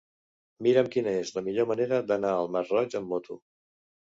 Mira'm quina és la millor manera d'anar al Masroig amb moto.